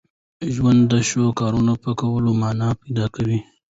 ژوند د ښو کارونو په کولو مانا پیدا کوي.